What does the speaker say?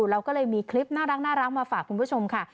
เราก็เลยมีคลิปน่ารักมาฝากคุณผู้ชมค่ะ